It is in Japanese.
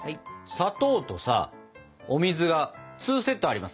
砂糖とさお水が２セットあります。